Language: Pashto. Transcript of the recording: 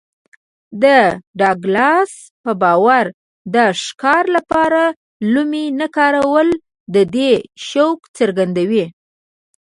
د ډاګلاس په باور د ښکار لپاره لومې نه کارول د دوی شوق څرګندوي